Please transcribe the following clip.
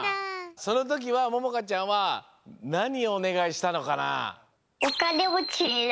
そのときはももかちゃんはなにをおねがいしたのかな？